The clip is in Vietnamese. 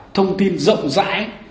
thông tin rộng rãi